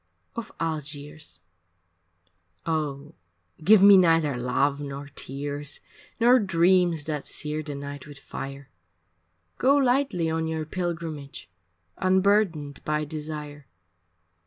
II Off Algiers Oh give me neither love nor tears, Nor dreams that sear the night with fire, Go lightly on your pilgrimage Unburdened by desire.